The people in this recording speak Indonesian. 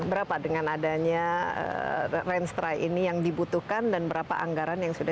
berapa dengan adanya range strike ini yang dibutuhkan dan berapa anggaran yang sudah